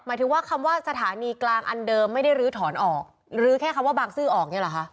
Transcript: หมายถึงว่าคำว่าสถานีกลางอันเดิมไม่ได้ลื้อถอนออกหรือแค่คำว่าบางซื่อออกเนี่ยเหรอคะ